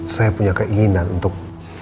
saya punya keinginan untuk